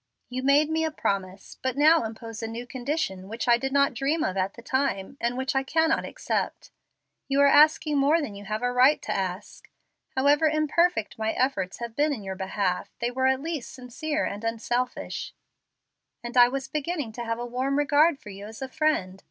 You made me a promise, but now impose a new condition which I did not dream of at the time, and which I cannot accept. You are asking more than you have a right to ask. However imperfect my efforts have been in your behalf, they were at least sincere and unselfish, and I was beginning to have a warm regard for you as a friend.